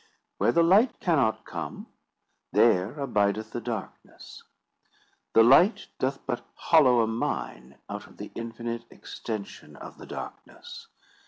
Where the light cannot come, there abideth the darkness. The light doth but hollow a mine out of the infinite extension of the darkness.